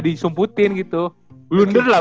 disumputin gitu blunder lah